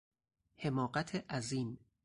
حماقت عظیم